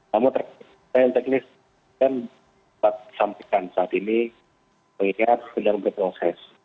namun teknis teknis kan dapat sampaikan saat ini mengingat sedang berproses